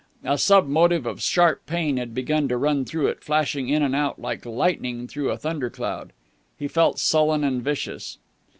A sub motive of sharp pain had begun to run through it, flashing in and out like lightning through a thunder cloud. He felt sullen and vicious.